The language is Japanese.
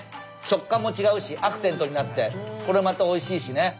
食感も違うしアクセントになってこれまたおいしいしね。